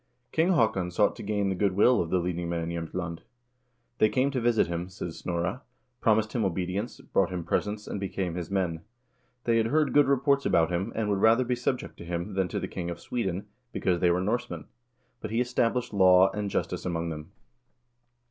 King Haakon sought to gain the good will of the leading men in Jsemtland. " They came to visit him," says Snorre,1 "promised him obedience, brought him presents, and became his men. They had heard good reports about him, and would rather be subject to him than to the king of Sweden, because they were Norsemen. But he established law and justice among them."